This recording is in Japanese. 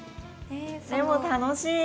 でも楽しい。